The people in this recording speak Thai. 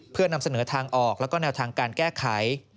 เพื่อนำเสนอทางออกแล้วก็แนวทางการแก้ไข